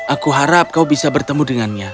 aku harap kau bisa bertemu dengannya